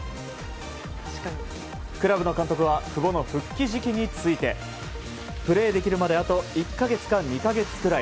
クラブの監督は久保の復帰時期についてプレーできるまであと１か月か２か月くらい。